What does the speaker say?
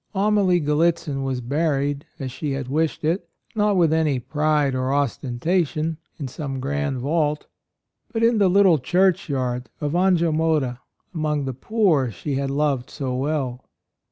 " Amalie Gallitzin was buried 110 A ROYAL SON as she had wished it, — not with any pride or ostentation, in some grand vault, but in the little churchyard of Angelmodde, among the poor she had loved so well.